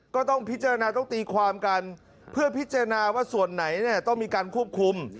ก็ต้องพิจารณาต้องตีความกันเพื่อพิจารณาว่าส่วนไหนเนี่ยต้องมีการควบคุม